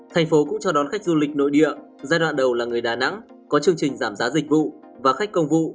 thành phố cũng cho đón khách du lịch nội địa giai đoạn đầu là người đà nẵng có chương trình giảm giá dịch vụ và khách công vụ